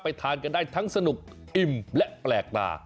ทานกันได้ทั้งสนุกอิ่มและแปลกตา